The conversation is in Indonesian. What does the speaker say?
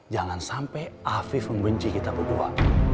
jangan sampai afif membenci kita berdua